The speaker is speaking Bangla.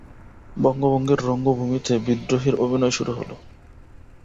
বঙ্গভঙ্গের রঙ্গভূমিতে বিদ্রোহীর অভিনয় শুরু হল।